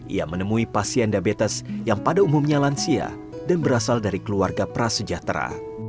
ia menemui pasien diabetes yang pada umumnya lansia dan berasal dari keluarga prasejahtera